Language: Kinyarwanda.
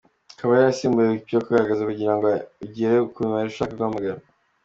Ikaba yarasimbuye iyo bakaragaga kugira ngo ugere ku mibare ushaka guhamagara.